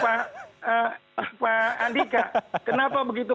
pak andika kenapa begitu